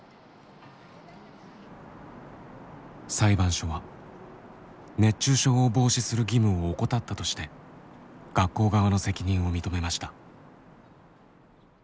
裁判所は熱中症を防止する義務を怠ったとして学校側の責任を認めました。